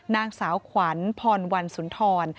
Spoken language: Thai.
นางสาวขวัญพรวันสุนทร